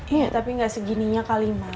iya tapi gak segininya kak lima